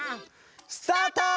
スタート！